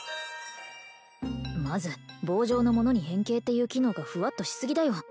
まず棒状のものに変形っていう機能がフワッとしすぎだよ